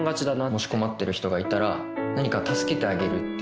もし困ってる人がいたら何か助けてあげるっていう。